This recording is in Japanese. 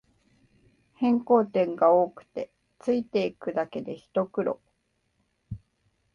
変更点が多くてついていくだけでひと苦労